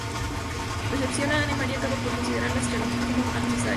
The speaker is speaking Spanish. Decepcionada, Anne María acabó por considerar la esclavitud como un mal necesario.